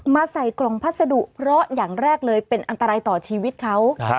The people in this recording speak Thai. ใส่กล่องพัสดุเพราะอย่างแรกเลยเป็นอันตรายต่อชีวิตเขา